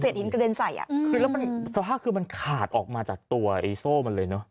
หินกระเด็นใส่อ่ะคือแล้วมันสภาพคือมันขาดออกมาจากตัวไอ้โซ่มันเลยเนอะ